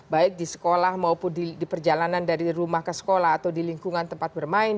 baik di sekolah maupun di perjalanan dari rumah ke sekolah atau di lingkungan tempat bermain